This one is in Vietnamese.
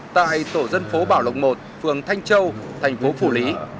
tại tổ dân phố bảo lộc một phường thanh châu thành phố phủ lý